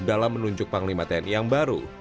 dalam menunjuk panglima tni yang baru